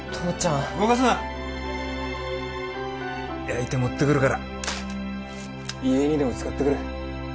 焼いて持って来るから遺影にでも使ってくれ。